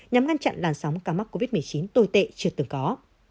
nhằm ngăn chặn làn sóng ca mắc covid một mươi chín tồi tệ chưa từng có